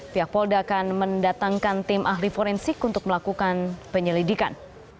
pihak polda akan mendatangkan tim ahli forensik untuk melakukan penyelidikan